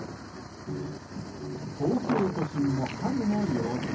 東京都心も春の陽気。